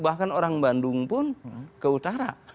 bahkan orang bandung pun ke utara